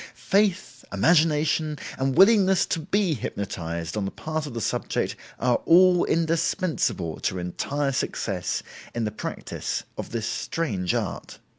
Faith, imagination, and willingness to be hypnotized on the part of the subject are all indispensable to entire success in the practice of this strange art.